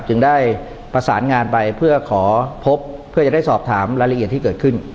จึงได้ประสานงานไปเพื่อขอพบเพื่อจะได้สอบถามรายละเอียดที่เกิดขึ้น